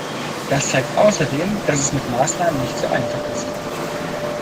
Das zeigt außerdem, dass es mit Maßnahmen nicht so einfach ist.